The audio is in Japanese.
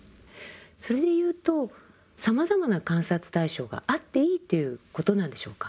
それでいうとさまざまな観察対象があっていいということなんでしょうか？